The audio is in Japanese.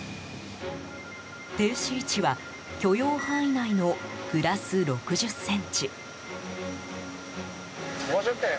停止位置は許容範囲内のプラス６０ｃｍ。